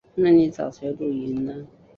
洛克马里亚凯尔人口变化图示